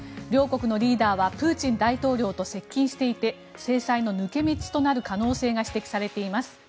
両国のリーダーはプーチン大統領と接近していて制裁の抜け道となる可能性が指摘されています。